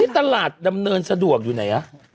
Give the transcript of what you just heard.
ตลาดดำเนินสะดวกอยู่ไหน